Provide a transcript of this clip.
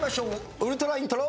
ウルトライントロ。